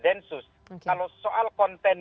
densus kalau soal konten